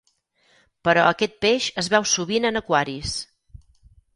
Però aquest peix es veu sovint en aquaris.